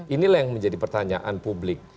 inilah yang menjadi pertanyaan publik